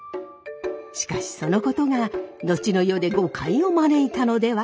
しかしそのことが後の世で誤解を招いたのでは？